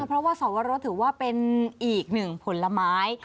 เพราะว่าสวรสถือว่าเป็นอีกหนึ่งผลไม้